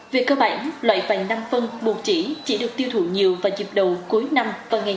về cơ bản loại vàng năm phân một chỉ chỉ được tiêu thụ nhiều và dịp đầu cuối năm